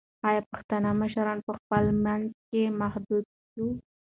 ایا پښتانه مشران په خپل منځ کې متحد وو؟